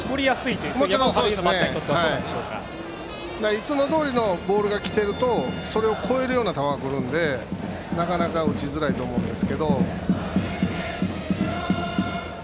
いつもどおりのボールが来ているとそれを超えるような球が来るのでなかなか打ちづらいと思うんです。